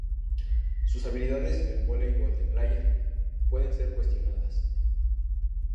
Sus habilidades en el voleibol de playa, pueden ser cuestionadas.